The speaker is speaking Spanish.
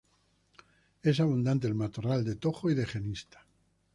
Es abundante el matorral de tojo y de genista.